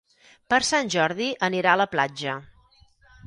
Per Sant Jordi anirà a la platja.